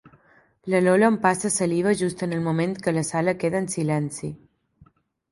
La Lola empassa saliva just en el moment que la sala queda en silenci.